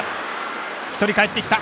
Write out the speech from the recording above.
１人、かえってきた。